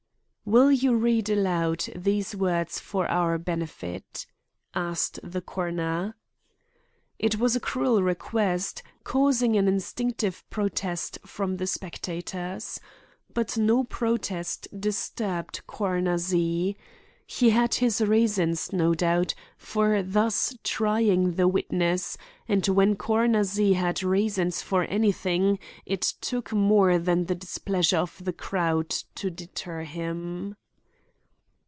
"Will you read aloud these words for our benefit?" asked the coroner: It was a cruel request, causing an instinctive protest from the spectators. But no protest disturbed Coroner Z. He had his reasons, no doubt, for thus trying this witness, and when Coroner Z. had reason for anything it took more than the displeasure of the crowd to deter him.